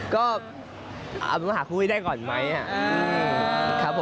ก็เอามาหาคู่ให้ได้ก่อนไหมครับ